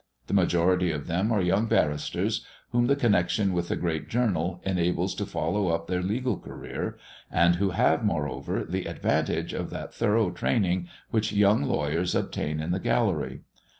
The majority of them are young barristers, whom the connexion with the great journal enables to follow up their legal career, and who have, moreover, the advantage of that thorough training which young lawyers obtain in the gallery.